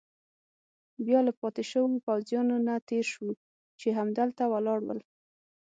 بیا له پاتې شوو پوځیانو نه تېر شوو، چې هملته ولاړ ول.